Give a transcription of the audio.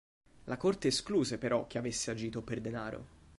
La corte escluse però che avesse agito per denaro.